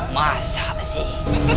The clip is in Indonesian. masa apa sih